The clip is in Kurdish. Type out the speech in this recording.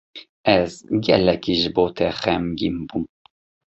Ez gelekî ji bo te xemgîn bûm.